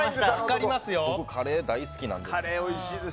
僕カレー大好きなので。